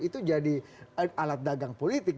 itu jadi alat dagang politik